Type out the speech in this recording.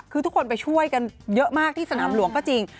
คือทุกคนไปช่วยกันเยอะมากที่สนามหลวงก็จริง